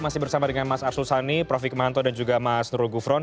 masih bersama dengan mas arsul sani prof hikmahanto dan juga mas nurul gufron